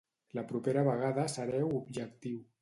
La propera vegada sereu objectiu.